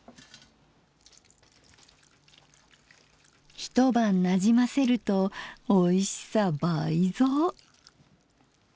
一晩なじませるとおいしさ倍増。